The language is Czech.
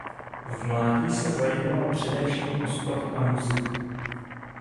V mládí se zajímal především o sport a muziku.